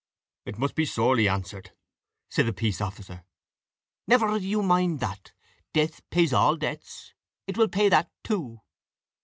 "It must be sorely answered," said the peace officer. "Never you mind that. Death pays all debts; it will pay that too."